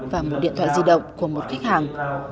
và một điện thoại di động của một khách hàng